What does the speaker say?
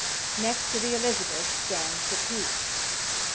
Next to the Elizabeth stands the Pique.